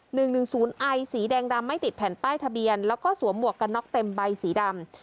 หนึ่งหนึ่งศูนย์ไอสีแดงดำไม่ติดแผ่นป้ายทะเบียนแล้วก็สวมหมวกกันน็อกเต็มใบสีดำ